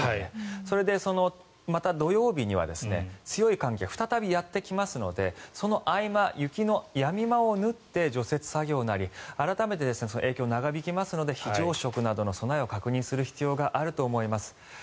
それで、また土曜日には強い寒気が再びやってきますのでその合間、雪のやみ間を縫って除雪作業なり改めて影響が長引きますので非常食などの備えを確認する必要があると思います。